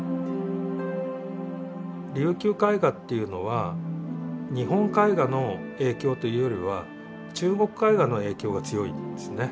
琉球絵画っていうのは日本絵画の影響というよりは中国絵画の影響が強いんですね。